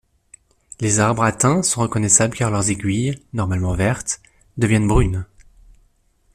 Les arbres atteints sont reconnaissables car leurs aiguilles, normalement vertes, deviennent brunes.